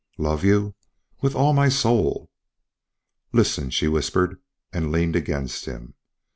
"Love you? With all my soul!" "Listen," she whispered, and leaned against him.